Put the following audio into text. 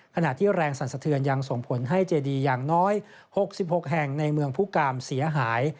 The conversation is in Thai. ขณะที่แรงสั่นสะเทือนยังส่งผลให้เจดีอย่างน้อย๖๖แห่งในเมืองผู้กามเสียหาย